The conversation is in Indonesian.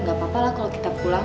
gak apa apa lah kalau kita pulang